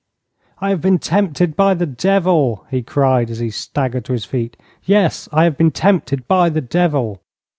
'I have been tempted by the devil!' he cried, as he staggered to his feet. 'Yes, I have been tempted by the devil!'